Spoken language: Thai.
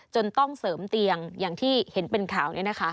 จนต้องเสริมเตียงอย่างที่เห็นเป็นข่าว